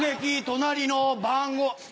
隣の晩ご」。